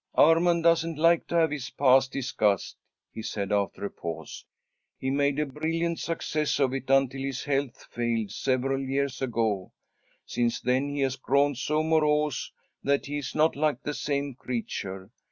"Armond doesn't like to have his past discussed," he said, after a pause. "He made a brilliant success of it until his health failed several years ago. Since then he has grown so morose that he is not like the same creature.